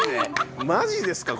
マジですか？